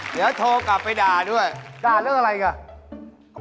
เดี๋ยวโทรกลับไปด่าด้วยด่าเรื่องอะไรอ่ะ